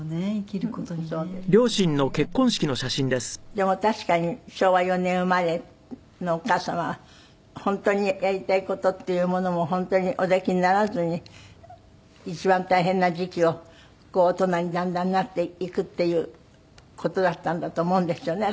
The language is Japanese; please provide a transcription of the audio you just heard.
でも確かに昭和４年生まれのお母様は本当にやりたい事っていうものも本当におできにならずに一番大変な時期を大人にだんだんなっていくっていう事だったんだと思うんですよね